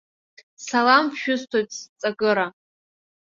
Салам шәысҭоит сҵакыра.